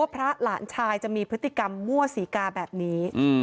หลานชายจะมีพฤติกรรมมั่วศรีกาแบบนี้